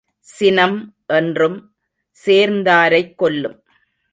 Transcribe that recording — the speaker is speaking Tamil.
சினம் என்றும் சேர்ந்தாரைக் கொல்லும்.